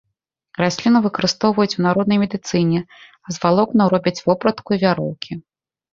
Расліну выкарыстоўваюць у народнай медыцыне, а з валокнаў робяць вопратку і вяроўкі.